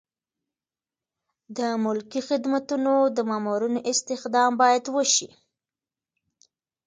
د ملکي خدمتونو د مامورینو استخدام باید وشي.